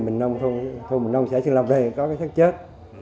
mình nông sẻ trường lòng đây có sát chết